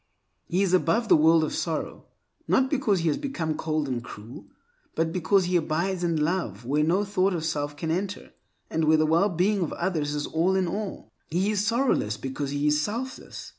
He is above the world of sorrow, not because he has become cold and cruel, but because he abides in a love where no thought of self can enter, and where the well being of others is all in all. He is sorrowless because he is selfless.